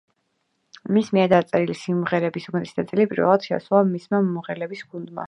მის მიერ დაწერილი სიმღერების უმეტესი ნაწილი პირველად შეასრულა მისმა მომღერლების გუნდმა.